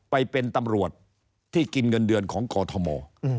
ไปเป็นตำรวจที่กินเงินเดือนของกอทม